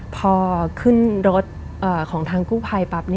พอขึ้นรถของทางกู้ภัยปั๊บ